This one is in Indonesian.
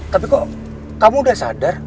tapi kok kamu udah sadar